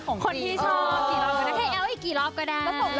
กับเพลงที่มีชื่อว่ากี่รอบก็ได้